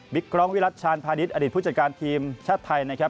กรองวิรัติชาญพาณิชย์อดีตผู้จัดการทีมชาติไทยนะครับ